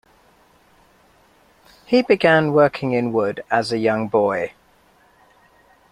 He began working in wood as a young boy.